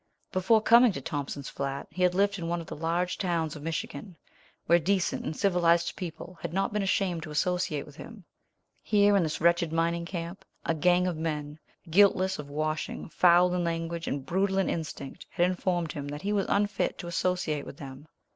Before coming to Thompson's Flat he had lived in one of the large towns of Michigan, where decent and civilized people had not been ashamed to associate with him. Here, in this wretched mining camp, a gang of men, guiltless of washing, foul in language, and brutal in instinct, had informed him that he was unfit to associate with them.